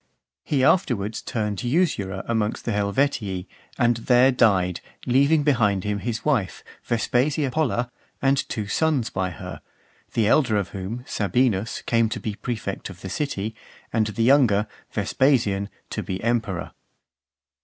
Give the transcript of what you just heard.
He afterwards turned usurer amongst the Helvetii, and there died, leaving behind him his wife, Vespasia Pella, and two sons by her; the elder of whom, Sabinus, came to be prefect of the city, and the younger, Vespasian, to be emperor.